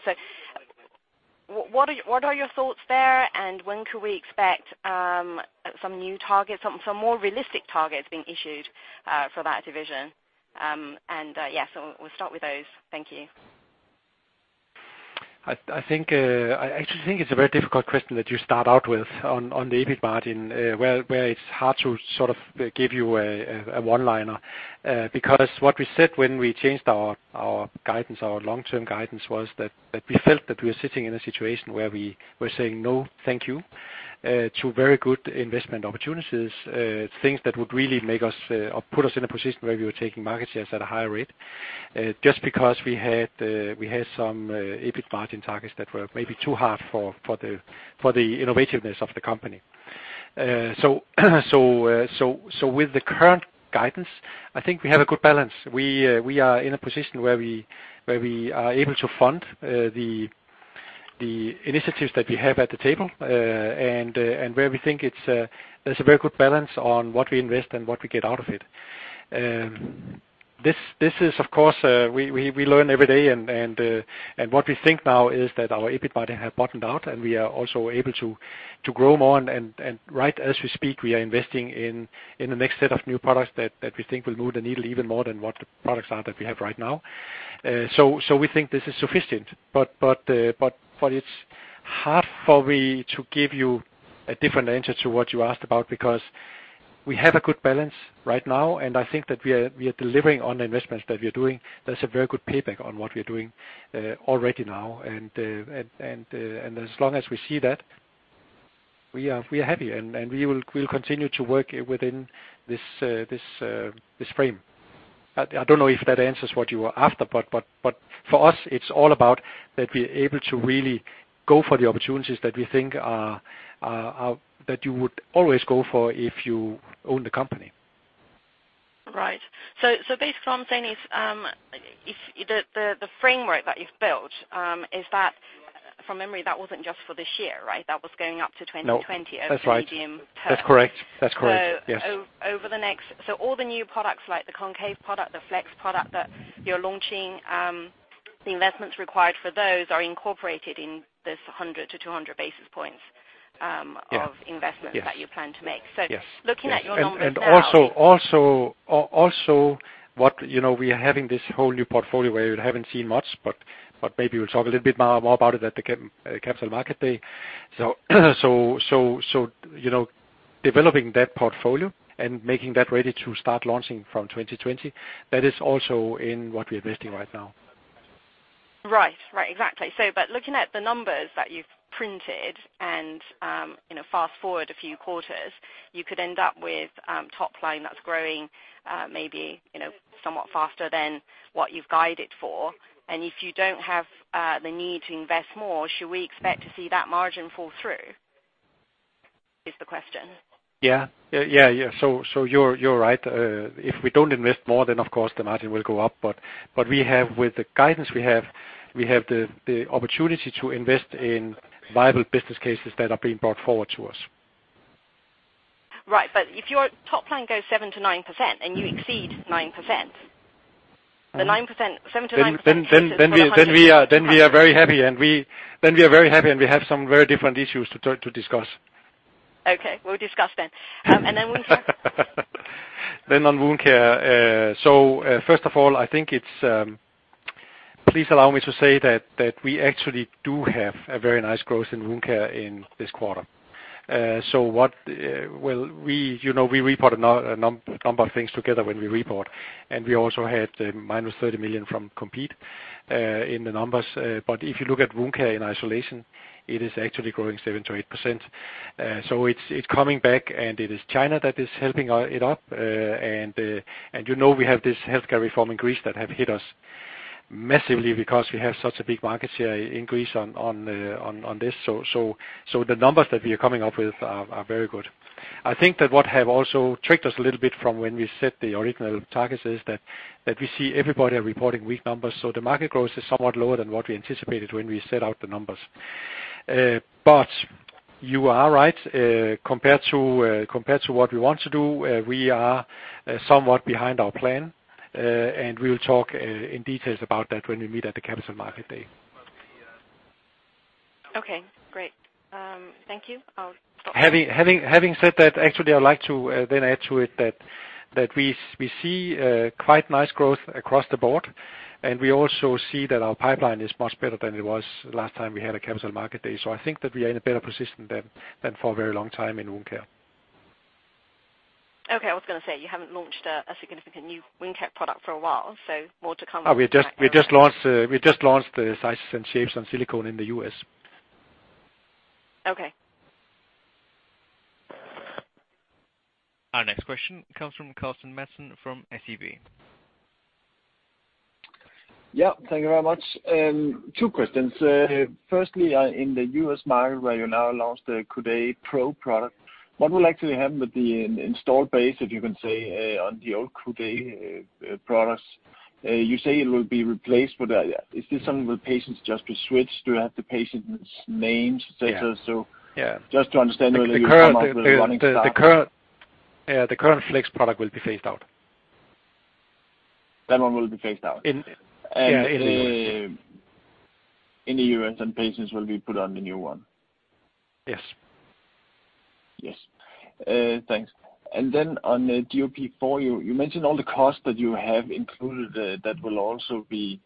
What are your thoughts there? When could we expect some new targets, some more realistic targets being issued for that division? Yes, we'll start with those. Thank you. I actually think it's a very difficult question that you start out with on the EBIT margin, where it's hard to sort of give you a one-liner. What we said when we changed our guidance, our long-term guidance, was that we felt that we were sitting in a situation where we were saying, "No, thank you," to very good investment opportunities, things that would really make us or put us in a position where we were taking market shares at a higher rate. We had some EBIT margin targets that were maybe too hard for the innovativeness of the company. With the current guidance, I think we have a good balance. We are in a position where we are able to fund the initiatives that we have at the table, and where we think it's, there's a very good balance on what we invest and what we get out of it. This is, of course, we learn every day, and what we think now is that our EBIT margin have bottomed out, and we are also able to grow more. Right as we speak, we are investing in the next set of new products that we think will move the needle even more than what the products are that we have right now. We think this is sufficient. It's hard for me to give you a different answer to what you asked about, because we have a good balance right now, and I think that we are delivering on the investments that we are doing. There's a very good payback on what we are doing already now. As long as we see that, we are happy, and we will continue to work within this frame. I don't know if that answers what you were after, but for us, it's all about that we're able to really go for the opportunities that we think are, that you would always go for if you own the company. Right. Basically what I'm saying is, if the framework that you've built, is that from memory, that wasn't just for this year, right? That was going up to 2020- No, that's right. A medium term. That's correct. That's correct, yes. All the new products, like the Concave product, the Flex product that you're launching, the investments required for those are incorporated in this 100-200 basis points. Yes of investment that you plan to make. Yes. Looking at your numbers now. Also, what, you know, we are having this whole new portfolio where you haven't seen much, but maybe we'll talk a little bit more about it at the Capital Market Day. You know, developing that portfolio and making that ready to start launching from 2020, that is also in what we're investing right now. Right. Right, exactly. Looking at the numbers that you've printed and, you know, fast-forward a few quarters, you could end up with top line that's growing, maybe, you know, somewhat faster than what you've guided for. If you don't have the need to invest more, should we expect to see that margin fall through, is the question? Yeah. You're right. If we don't invest more, of course, the margin will go up. We have, with the guidance we have, we have the opportunity to invest in viable business cases that are being brought forward to us. Right. If your top line goes 7%-9% and you exceed 9%, 7%-9%- We are very happy, and we have some very different issues to discuss. Okay. We'll discuss then. Wound Care. On Wound Care, first of all, I think it's, please allow me to say that we actually do have a very nice growth in Wound Care in this quarter. What, we, you know, we report a number of things together when we report, and we also had minus 30 million from Compeed in the numbers. If you look at Wound Care in isolation, it is actually growing 7%-8%. It's coming back, and it is China that is helping it up. You know, we have this healthcare reform in Greece that have hit us massively because we have such a big market share in Greece on this. The numbers that we are coming up with are very good. I think that what have also tricked us a little bit from when we set the original targets is that we see everybody are reporting weak numbers, so the market growth is somewhat lower than what we anticipated when we set out the numbers. You are right. Compared to what we want to do, we are somewhat behind our plan. We will talk in details about that when we meet at the Capital Market Day. Okay, great. Thank you. Having said that, actually, I'd like to then add to it that we see quite nice growth across the board. We also see that our pipeline is much better than it was last time we had a Capital Market Day. I think that we are in a better position than for a very long time in Wound Care. I was gonna say, you haven't launched a significant new wound care product for a while, so more to come. We just launched the sizes and shapes and Silicone in the U.S.. Okay. Our next question comes from Carsten Madsen, from SEB. Yeah, thank you very much. Two questions. Firstly, in the U.S. market, where you now launched the Cuday Pro product, what will actually happen with the installed base, if you can say, on the old Cuday products? You say it will be replaced, but is this something where patients just will switch? Do you have the patients' names, et cetera? Yeah. So- Yeah... just to understand where you are running stuff. The current Flex p.roduct will be phased out. That one will be phased out. In, yeah, in the U.S.. In the U.S., and patients will be put on the new one. Yes. Yes. Thanks. On the GOP4, you mentioned all the costs that you have included, that will also be,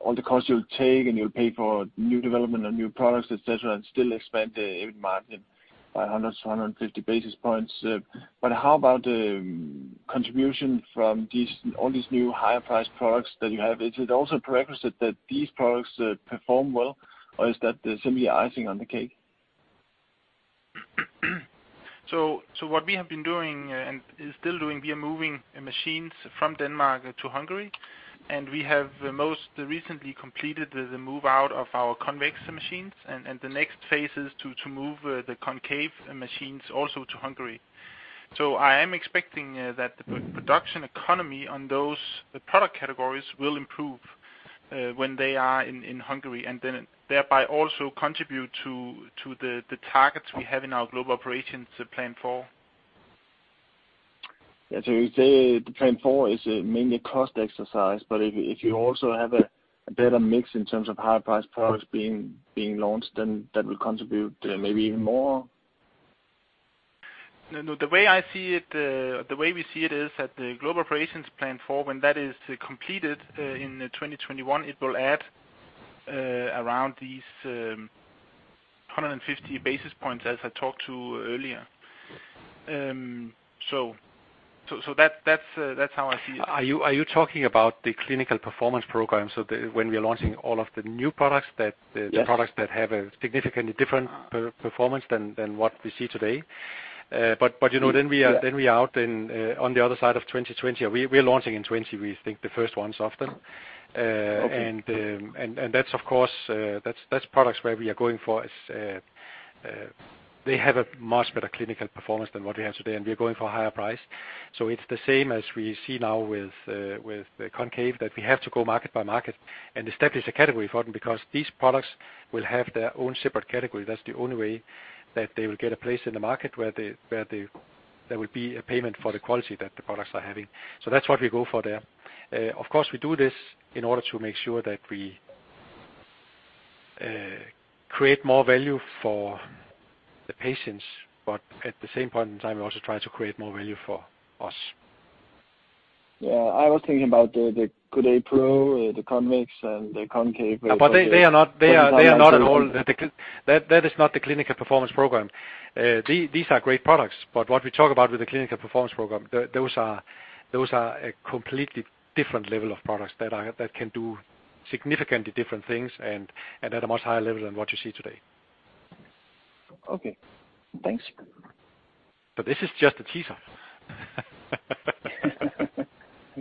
all the costs you'll take, and you'll pay for new development and new products, et cetera, and still expand the EBIT margin by 100 to 150 basis points. How about the contribution from these, all these new higher priced products that you have? Is it also a prerequisite that these products, perform well, or is that simply icing on the cake? What we have been doing and is still doing, we are moving machines from Denmark to Hungary. We have the most recently completed the move out of our convex machines. The next phase is to move the concave machines also to Hungary. I am expecting that the production economy on those product categories will improve when they are in Hungary, then thereby also contribute to the targets we have in our Global Operations Plan 4. Yeah, you say the Plan 4 is mainly cost exercise, but if you also have a better mix in terms of higher price products being launched, then that will contribute maybe even more. No, no. The way I see it, the way we see it is that the Global Operations Plan 4, when that is completed, in 2021, it will add around these 150 basis points, as I talked to earlier. That's how I see it. Are you talking about the clinical performance programme? When we are launching all of the new products. Yes. the products that have a significantly different per-performance than what we see today? you know, then we are out in, on the other side of 2020. We are launching in 2020, we think the first ones of them. Okay. That's of course, products where we are going for is, they have a much better clinical performance than what we have today, and we are going for a higher price. It's the same as we see now with the Concave, that we have to go market by market and establish a category for them, because these products will have their own separate category. That's the only way that they will get a place in the market where they, there will be a payment for the quality that the products are having. That's what we go for there. Of course, we do this in order to make sure that we create more value for the patients, but at the same point in time, we also try to create more value for us. Yeah, I was thinking about the GoodDay Pro, the Convex and the Concave. They are not at all. That is not the clinical performance programme. These are great products, what we talk about with the clinical performance programme, those are a completely different level of products that can do significantly different things and at a much higher level than what you see today. Okay, thanks. This is just a teaser.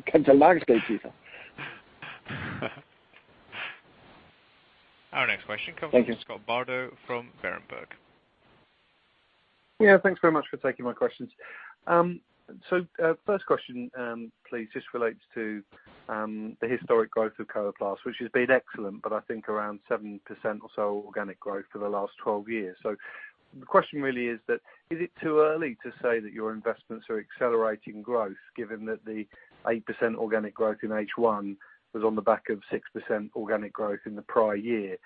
Quite a large scale teaser. Our next question. Thank you. Scott Bardo from Berenberg. Yeah, thanks very much for taking my questions. First question, please, this relates to the historic growth of Coloplast, which has been excellent, but I think around 7% or so organic growth for the last 12 years. The question really is that: Is it too early to say that your investments are accelerating growth, given that the 8% organic growth in H1 was on the back of 6% organic growth in the prior year?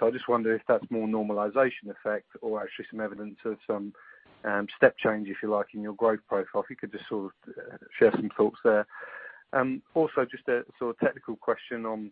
I just wonder if that's more normalization effect or actually some evidence of some step change, if you like, in your growth profile. If you could just sort of share some thoughts there. Also, just a sort of technical question on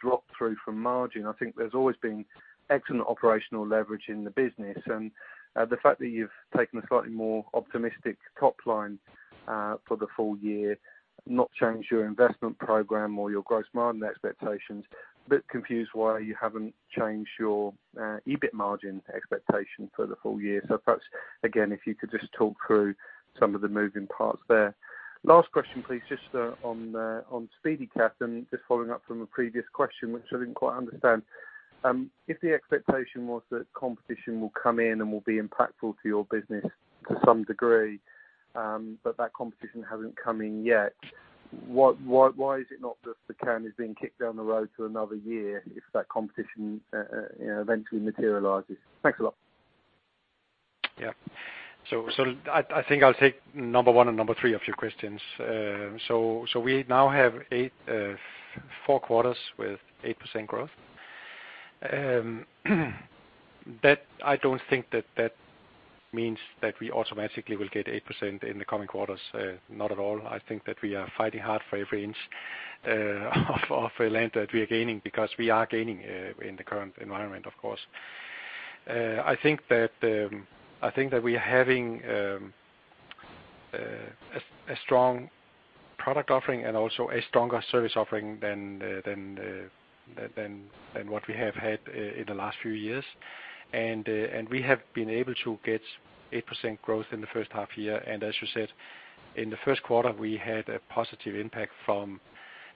drop through from margin. I think there's always been excellent operational leverage in the business, and the fact that you've taken a slightly more optimistic top line for the full year, not changed your investment program or your gross margin expectations, bit confused why you haven't changed your EBIT margin expectation for the full year. Perhaps, again, if you could just talk through some of the moving parts there. Last question, please, just on SpeediCath, and just following up from a previous question, which I didn't quite understand. If the expectation was that competition will come in and will be impactful to your business to some degree, but that competition hasn't come in yet, what, why is it not that the can is being kicked down the road to another year, if that competition, you know, eventually materializes? Thanks a lot. I think I'll take number one and number three of your questions. We now have eight, four quarters with 8% growth. That I don't think that means that we automatically will get 8% in the coming quarters, not at all. I think that we are fighting hard for every inch of the land that we are gaining, because we are gaining in the current environment, of course. I think that I think that we are having a strong product offering and also a stronger service offering than what we have had in the last few years. We have been able to get 8% growth in the first half year, and as you said, in the first quarter, we had a positive impact from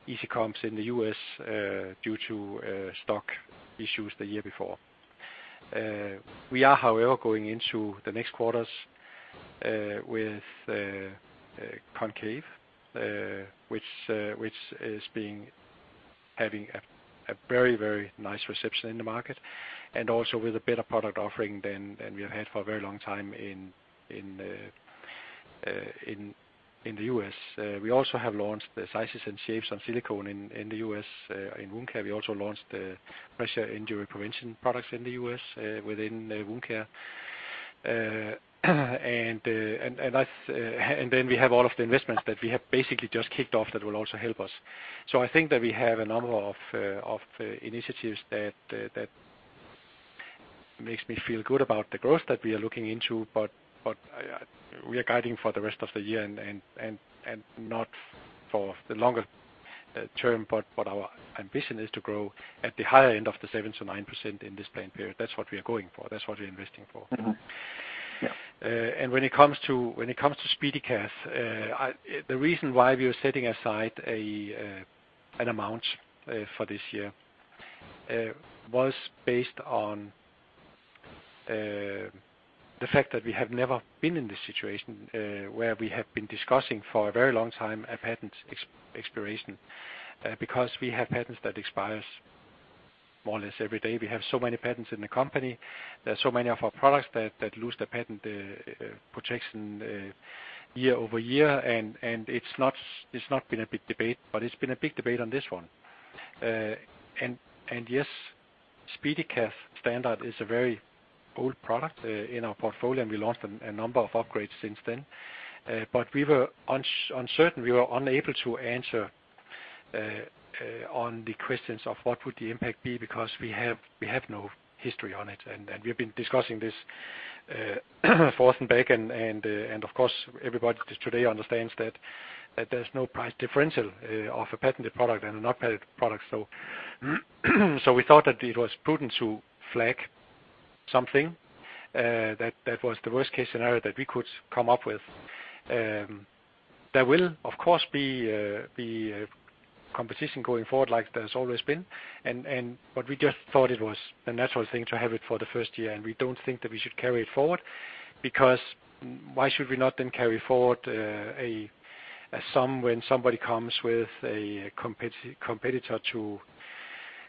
E-commerce in the U.S. due to stock issues the year before. We are, however, going into the next quarters with Concave, which is having a very nice reception in the market, and also with a better product offering than we have had for a very long time in the U.S.. We also have launched the sizes and shapes on Silicone in the U.S.. In Wound Care, we also launched the pressure injury prevention products in the U.S. within Wound Care. That's, we have all of the investments that we have basically just kicked off that will also help us. I think that we have a number of initiatives that makes me feel good about the growth that we are looking into. We are guiding for the rest of the year and not for the longer term, but our ambition is to grow at the higher end of the 7%-9% in this planning period. That's what we are going for. That's what we're investing for. Mm-hmm. Yeah. When it comes to SpeediCath, the reason why we are setting aside an amount for this year was based on the fact that we have never been in this situation where we have been discussing for a very long time a patent expiration. We have patents that expires more or less every day. We have so many patents in the company. There are so many of our products that lose their patent protection year-over-year, and it's not been a big debate, but it's been a big debate on this one. Yes, SpeediCath standard is a very old product in our portfolio, and we launched a number of upgrades since then. We were uncertain. We were unable to answer on the questions of what would the impact be, because we have no history on it, and we've been discussing this forth and back. Of course, everybody just today understands that there's no price differential of a patented product and a not patented product. We thought that it was prudent to flag something that was the worst-case scenario that we could come up with. There will of course be competition going forward like there's always been, and but we just thought it was the natural thing to have it for the first year, and we don't think that we should carry it forward, because why should we not then carry forward, a sum when somebody comes with a competitor to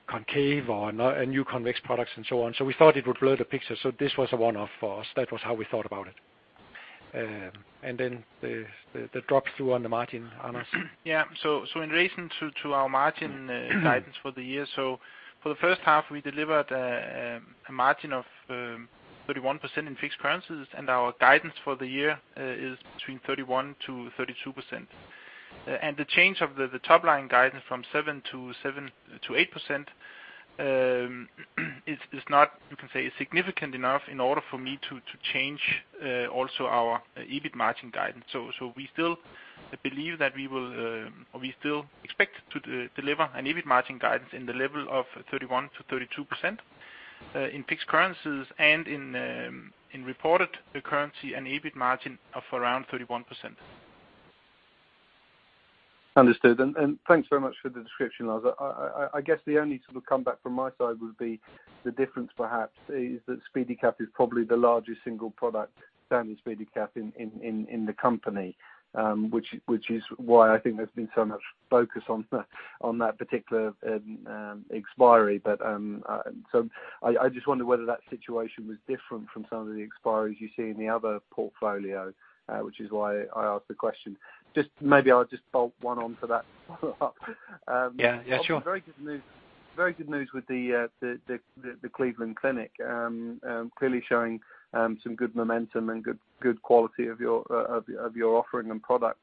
concave or not, a new convex products and so on? We thought it would blur the picture, so this was a one-off for us. That was how we thought about it. The drop through on the margin, Anders? In relation to our margin guidance for the year, for the first half, we delivered a margin of 31% in fixed currencies. Our guidance for the year is between 31%-32%. The change of the top-line guidance from 7%-8% is not, you can say, significant enough in order for me to change also our EBIT margin guidance. We still believe that we will, or we still expect to deliver an EBIT margin guidance in the level of 31%-32% in fixed currencies and in reported currency and EBIT margin of around 31%. Understood. Thanks very much for the description, Lars. I guess the only sort of comeback from my side would be the difference perhaps is that SpeediCath is probably the largest single product, standard SpeediCath in the company, which is why I think there's been so much focus on that particular expiry. I just wondered whether that situation was different from some of the expiries you see in the other portfolio, which is why I asked the question. Maybe I'll just bolt one on to that follow-up. Yeah, yeah, sure. Very good news, very good news with the Cleveland Clinic clearly showing some good momentum and good quality of your offering and products.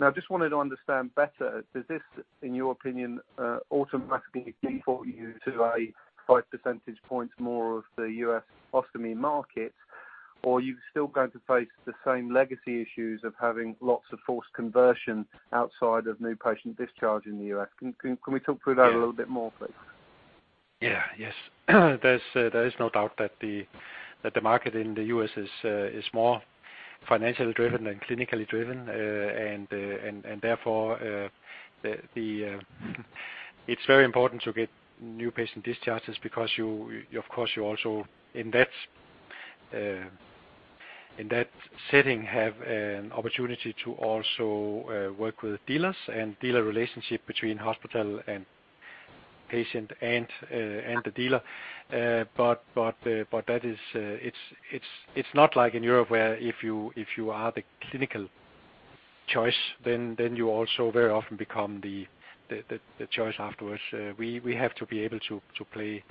I just wanted to understand better, does this, in your opinion, automatically default you to a 5 percentage points more of the U.S. ostomy market? Are you still going to face the same legacy issues of having lots of forced conversion outside of new patient discharge in the U.S.? Can we talk through that? Yeah a little bit more, please? Yeah. Yes. There's, there is no doubt that the market in the U.S. is more financially driven than clinically driven. Therefore, the, it's very important to get new patient discharges because you, of course, you also in that setting, have an opportunity to also work with dealers and dealer relationship between hospital and patient and the dealer. That is, it's not like in Europe, where if you, if you are the clinical choice, then you also very often become the choice afterwards. We have to be able to play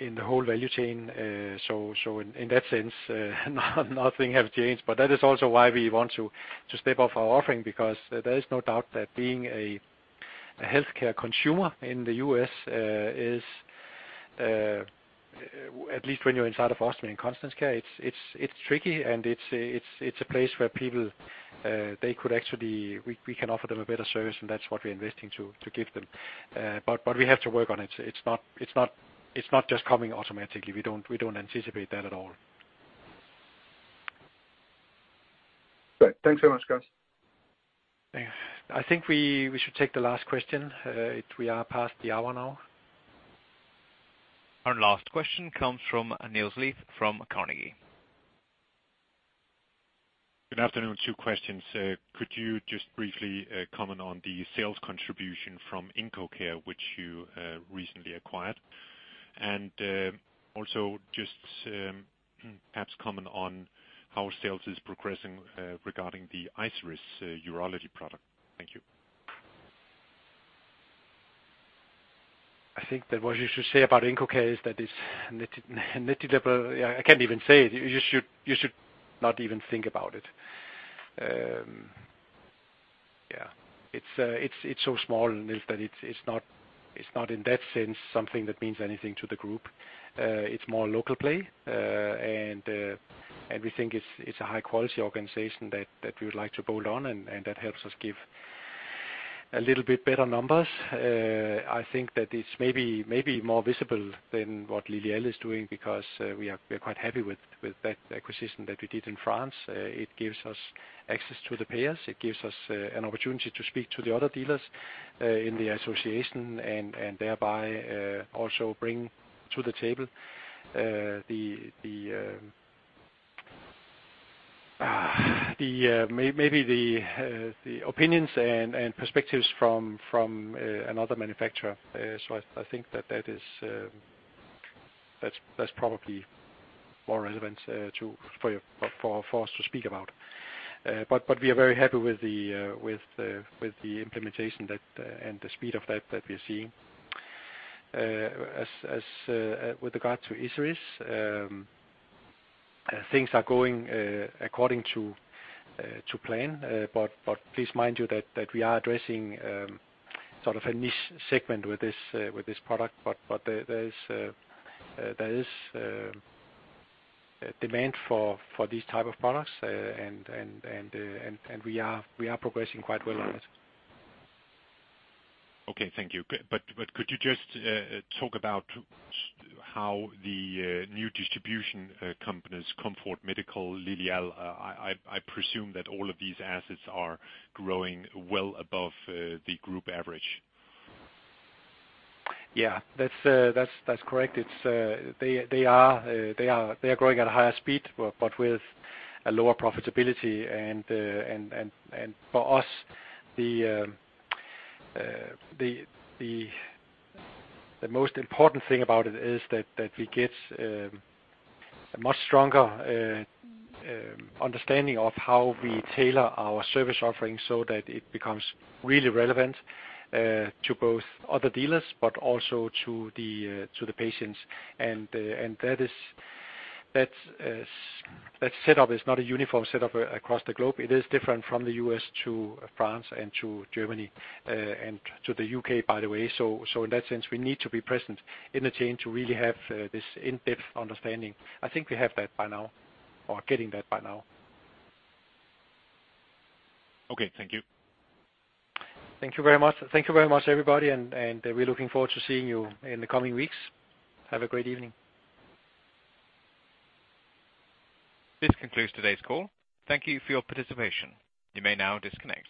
in the whole value chain. In, in that sense, nothing has changed. That is also why we want to step up our offering, because there is no doubt that being a healthcare consumer in the U.S. is at least when you're inside of Ostomy and Continence Care, it's tricky, and it's a place where people, they could actually. We can offer them a better service, and that's what we're investing to give them. We have to work on it. It's not just coming automatically. We don't anticipate that at all. Great. Thanks very much, guys. Thanks. I think we should take the last question if we are past the hour now. Our last question comes from Niels Leth from Carnegie. Good afternoon, two questions. Could you just briefly comment on the sales contribution from IncoCare, which you recently acquired? Also just perhaps comment on how sales is progressing regarding the Isiris Urology product. Thank you. I think that what you should say about IncoCare is that it's negligible. I can't even say it. You should not even think about it. Yeah, it's so small that it's not, it's not in that sense, something that means anything to the group. It's more local play. And we think it's a high quality organization that we would like to build on, and that helps us give a little bit better numbers. I think that it's maybe more visible than what Lilial is doing because we are quite happy with that acquisition that we did in France. It gives us access to the payers. It gives us an opportunity to speak to the other dealers in the association and thereby also bring to the table the opinions and perspectives from another manufacturer. I think that that is that's probably more relevant for us to speak about. We are very happy with the implementation and the speed of that we're seeing. With regard to Isiris, things are going according to plan. Please mind you that we are addressing sort of a niche segment with this product. There is demand for these type of products. We are progressing quite well on it. Okay, thank you. Could you just talk about how the new distribution companies, Comfort Medical, Lilial, I presume that all of these assets are growing well above the group average? Yeah, that's correct. It's, they are growing at a higher speed, but with a lower profitability. For us, the most important thing about it is that we get a much stronger understanding of how we tailor our service offerings so that it becomes really relevant to both other dealers, but also to the patients. That is, that setup is not a uniform setup across the globe. It is different from the U.S. to France and to Germany and to the U.K., by the way. In that sense, we need to be present in the chain to really have this in-depth understanding. I think we have that by now, or getting that by now. Okay, thank you. Thank you very much. Thank you very much, everybody, and we're looking forward to seeing you in the coming weeks. Have a great evening. This concludes today's call. Thank you for your participation. You may now disconnect.